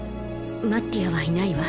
マッティアはいないわ。